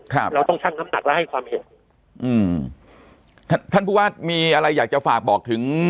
ครับเราต้องชั่งน้ำหนักและให้ความเห็นอืมท่านท่านผู้ว่ามีอะไรอยากจะฝากบอกถึง